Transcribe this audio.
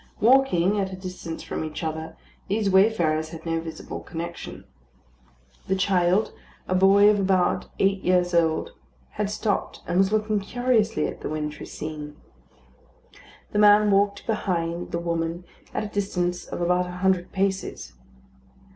Walking at a distance from each other, these wayfarers had no visible connection. The child, a boy of about eight years old, had stopped, and was looking curiously at the wintry scene. The man walked behind the woman, at a distance of about a hundred paces.